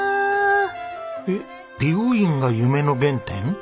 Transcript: えっ美容院が夢の原点？